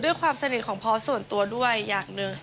ความสนิทของพอสส่วนตัวด้วยอย่างหนึ่ง